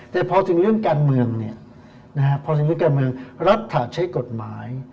แต่พอถึงเรื่องการเมืองพอถึงเรื่องการเมืองรับถาดใช้กฎหมาย